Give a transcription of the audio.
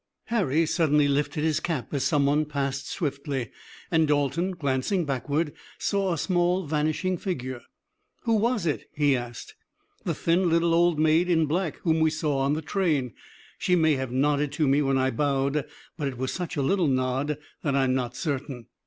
Harry suddenly lifted his cap as some one passed swiftly, and Dalton glancing backward saw a small vanishing figure. "Who was it?" he asked. "The thin little old maid in black whom we saw on the train. She may have nodded to me when I bowed, but it was such a little nod that I'm not certain."